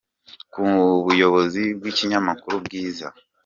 Ku muyobozi w’ikinyamakuru « Bwiza »,